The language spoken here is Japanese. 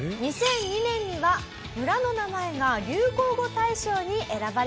２００２年には村の名前が流行語大賞に選ばれました。